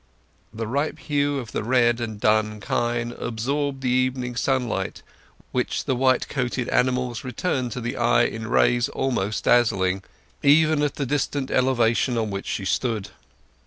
The ripe hue of the red and dun kine absorbed the evening sunlight, which the white coated animals returned to the eye in rays almost dazzling, even at the distant elevation on which she stood.